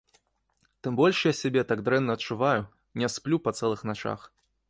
Тым больш я сябе так дрэнна адчуваю, не сплю па цэлых начах.